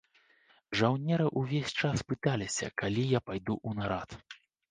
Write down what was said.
Жаўнеры ўвесь час пыталіся, калі я пайду ў нарад.